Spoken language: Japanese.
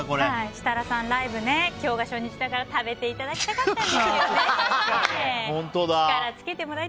設楽さん、ライブ今日が初日だから食べていただきたかったんですけどね。